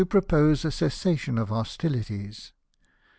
249 propose a cessation of hostilities.